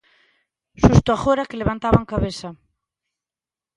Xusto agora que levantaban cabeza.